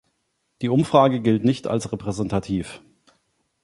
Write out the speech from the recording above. Die Umfrage gilt nicht als repräsentativ.